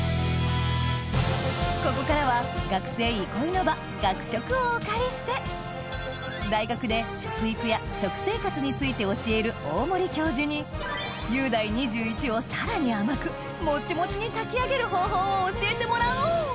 ここからは学生憩いの場学食をお借りして大学で食育や食生活について教えるゆうだい２１をさらに甘くもちもちに炊き上げる方法を教えてもらおう！